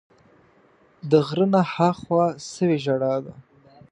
د غره نه ها خوا سوې ژړا ده